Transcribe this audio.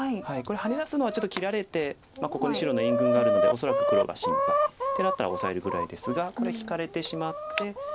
これハネ出すのはちょっと切られてここに白の援軍があるので恐らく黒が心配。ってなったらオサえるぐらいですがこれ引かれてしまって。